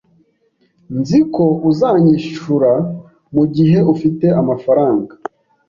Nzi ko uzanyishura mugihe ufite amafaranga